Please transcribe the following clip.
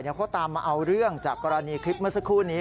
เขาตามมาเอาเรื่องจากกรณีคลิปเมื่อสักครู่นี้